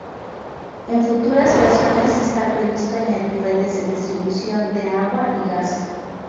En futuras versiones está previsto añadir redes de distribución de agua y gas.